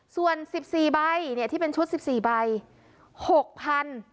ส่วนสิบสี่ใบเนี่ยที่เป็นชุดสิบสี่ใบหกพัน